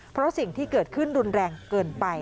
เพราะสิ่งที่เกิดขึ้นรุนแรงเกินไป